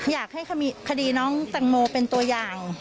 อยากให้คดีน้องแตงโมเป็นตัวอย่าง